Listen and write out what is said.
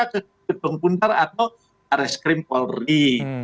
ke gedung puntar atau rscrim polri